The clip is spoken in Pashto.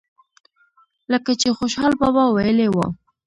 لکه چې خوشحال بابا وئيلي وو۔